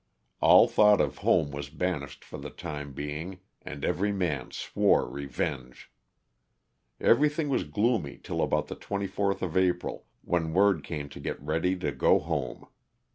All thought of home was banished for the time being and every man swore revenge. Everything was gloomy till about the 24th of April, when word came to get ready to go home.